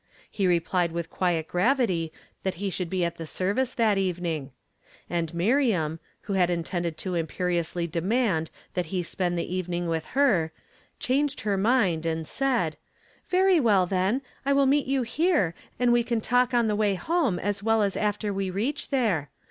He replied with (juiet gravity that he should be at the service that evening; and Miriam, who had intended to imperiously demand that he spend the evening with her, changed her mind, and said, Very well, then, I will meet you here, aud w, can talk on thj way home as well as aft» f we reach there.